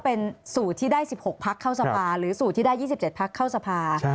เป็นสูตรที่ได้๑๖พักเข้าสภาหรือสูตรที่ได้๒๗พักเข้าสภา